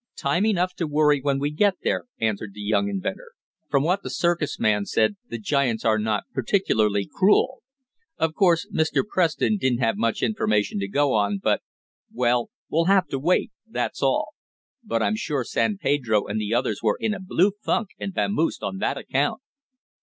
"Time enough to worry when we get there," answered the young inventor. "From what the circus man said the giants are not particularly cruel. Of course Mr. Preston didn't have much information to go on, but well, we'll have to wait that's all. But I'm sure San Pedro and the others were in a blue funk and vamoosed on that account."